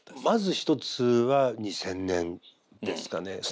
まず一つは２０００年ですかね。